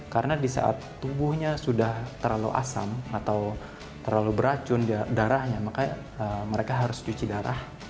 karena di saat tubuhnya sudah terlalu asam atau terlalu beracun darahnya maka mereka harus cuci darah